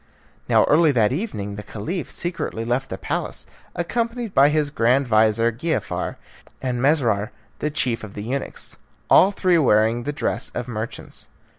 Now early that evening the Caliph secretly left the palace, accompanied by his grand vizir, Giafar, and Mesrour, chief of the eunuchs, all three wearing the dresses of merchants.